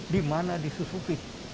di mana disusupi